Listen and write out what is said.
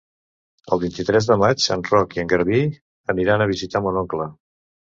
El vint-i-tres de maig en Roc i en Garbí aniran a visitar mon oncle.